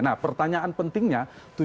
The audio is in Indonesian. nah pertanyaan pentingnya